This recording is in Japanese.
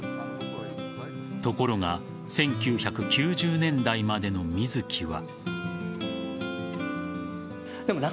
ところが１９９０年代までの水木は。